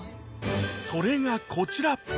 それがこちら